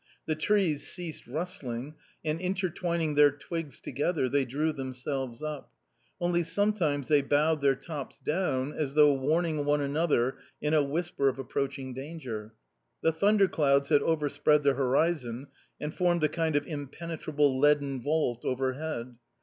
The trees ceased rustling, and, intertwining their twigs together, they drew themselves up ; only sometimes they bowed their tops down as though warning one another in a whisper of approaching danger. The thunderclouds had overspread the horizon and formed a kind of impenetrable leaden vault overhead.